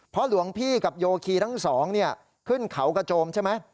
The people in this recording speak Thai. เพราะหลวงพี่กับโยคีทั้งสองขึ้นเขากระโจมใช่ไหม